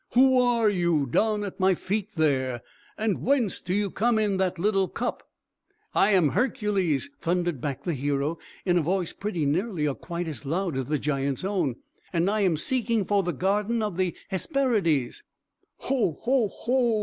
"Who are you, down at my feet there? And whence do you come in that little cup?" "I am Hercules!" thundered back the hero, in a voice pretty nearly or quite as loud as the giant's own. "And I am seeking for the garden of the Hesperides!" "Ho! ho! ho!"